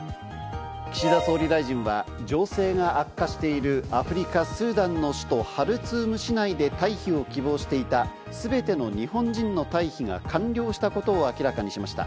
岸田総理大臣は情勢が悪化している、アフリカ・スーダンの首都ハルツーム市内で、退避を希望していたすべての日本人の退避が完了したことを明らかにしました。